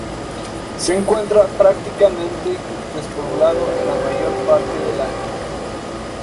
Se encuentra prácticamente despoblado en la mayor parte del año.